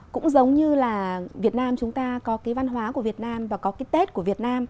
cũng giống như là việt nam chúng ta có cái văn hóa của việt nam và có cái tết của việt nam